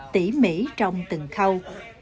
tỉ mỉ trong từng khâu